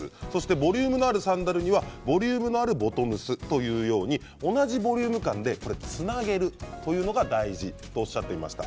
ボリュームのあるサンダルにはボリュームのあるボトムスというように同じボリューム感でつなげるというのが大事とおっしゃっていました。